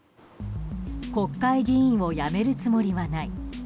国会議員を辞めるつもりはない。